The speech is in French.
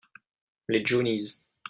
Les johnnies.